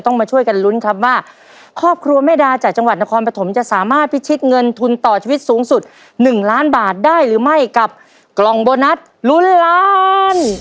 มาช่วยกันลุ้นครับว่าครอบครัวแม่ดาจากจังหวัดนครปฐมจะสามารถพิชิตเงินทุนต่อชีวิตสูงสุด๑ล้านบาทได้หรือไม่กับกล่องโบนัสลุ้นล้าน